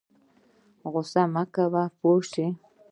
غوسه مه کوه پوه شه